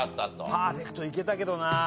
パーフェクトいけたけどな。